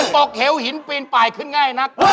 ปกเหลือหินปีนปลายขึ้นง่ายนัก